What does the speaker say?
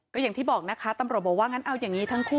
ก็อย่างที่บอกนะคะตำรวจบอกว่างั้นเอาอย่างนี้ทั้งคู่